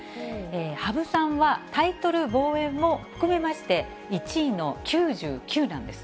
羽生さんはタイトル防衛も含めまして、１位の９９なんです。